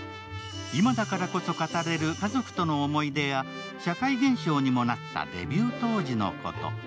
今田からこそ語れる家族との思い出や社会現象にもなったデビュー当時のこと。